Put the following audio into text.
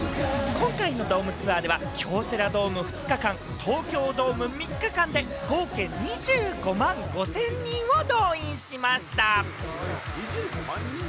今回のドームツアーでは京セラドーム２日間、東京ドーム３日間で合計２５万５０００人を動員しました。